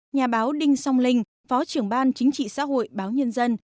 nhà báo đinh song linh phó trưởng ban chính trị xã hội báo nhân dân